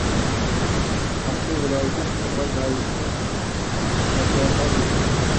ئاقسۇ ۋىلايىتى ئۇچتۇرپان ناھىيەسى ئاچاتاغ يېزىسى